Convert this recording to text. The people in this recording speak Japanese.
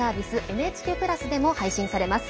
ＮＨＫプラスでも配信されます。